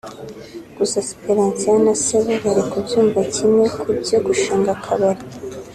gusa Siperansiya na Sebu bari kubyumva kimwe ku byo gushinga akabari